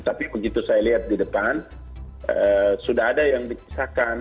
tapi begitu saya lihat di depan sudah ada yang dipisahkan